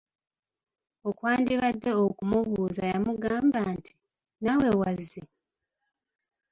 Okwandibadde okumubuuza yamugamba nti:"naawe wazze?"